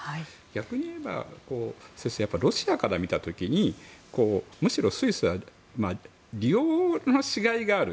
逆にいえばロシアから見た時にむしろスイスは利用のしがいがある。